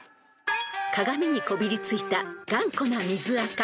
［鏡にこびりついた頑固な水あか］